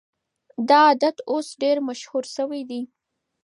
دا عادت اوس ډېر مشهور شوی دی.